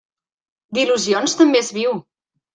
D'il·lusions també es viu.